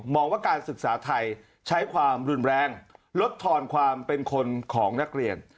ว่าการศึกษาไทยใช้ความรุนแรงลดทอนความเป็นคนของนักเรียน